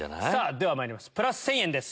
ではまいりますプラス１０００円です。